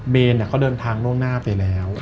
เนนเขาเดินทางล่วงหน้าไปแล้ว